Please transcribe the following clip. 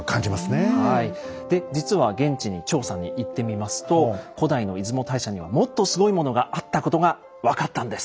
で実は現地に調査に行ってみますと古代の出雲大社にはもっとスゴイものがあったことが分かったんです。